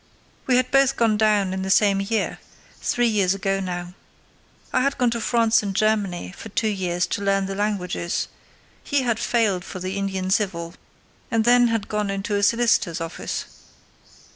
We had both gone down in the same year—three years ago now. I had gone to France and Germany for two years to learn the languages; he had failed for the Indian Civil, and then had gone into a solicitor's office.